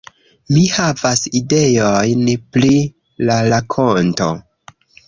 - Mi havas ideojn pri la rakonto